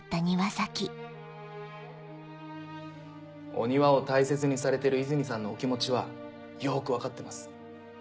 お庭を大切にされてる泉さんのお気持ちはよく分かってます。